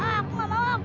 aku gak mau mau